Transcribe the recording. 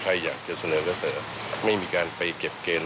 ใครอยากจะเสนอก็เสนอไม่มีการไปเก็บเกณฑ์